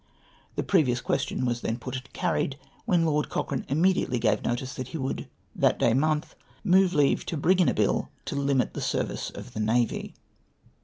" The previous question was then put and carried, when Lord Cochrane immediately gave notice that he woidd, that day month, move for leave to bring in a bill to limit the service of the navy."